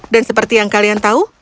dan seperti yang kalian tahu